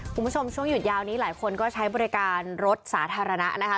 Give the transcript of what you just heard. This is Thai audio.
คุณผู้ชมช่วงหยุดยาวนี้หลายคนก็ใช้บริการรถสาธารณะนะคะ